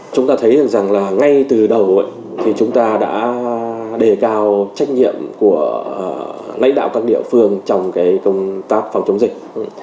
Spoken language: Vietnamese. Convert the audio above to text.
chúng ta thấy được rằng là ngay từ đầu thì chúng ta đã đề cao trách nhiệm của lãnh đạo các địa phương trong công tác phòng chống dịch